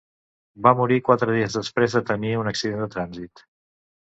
Va morir quatre dies després de tenir un accident de trànsit.